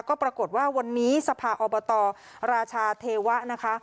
ก็ปรากฏว่าวันนี้สภาอบตราชาเทวะนะคะ